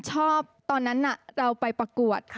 ชอบตอนนั้นเราไปประกวด